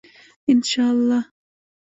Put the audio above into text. انشاالله.